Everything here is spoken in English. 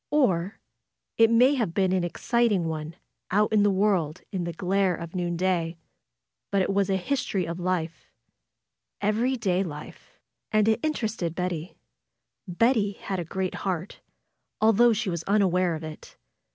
Or it may have been an exciting one out in the world in the glare of noonday. But it was a history of life ; every day life. And it interested Bet ty. Betty had a great heart, although she was unaware of it.